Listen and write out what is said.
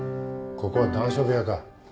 ・ここは談笑部屋か？